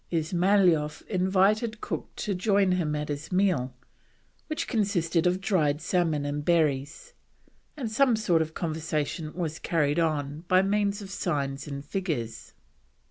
Ismailoff invited Cook to join him at his meal, which consisted of dried salmon and berries, and some sort of conversation was carried on by means of signs and figures.